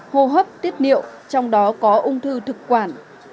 hô hấp tiết niệu trong đó có ung thư thực quản